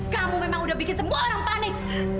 kamu memang udah bikin semua orang panik